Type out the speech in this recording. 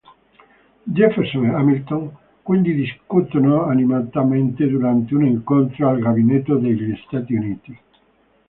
Jefferson e Hamilton quindi discutono animatamente durante un incontro al Gabinetto degli Stati Uniti.